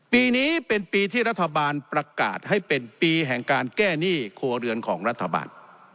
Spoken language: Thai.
ปีนี้เป็นปีที่รัฐบาลประกาศให้เป็นปีแห่งการแก้หนี้ครัวเรือนของรัฐบาล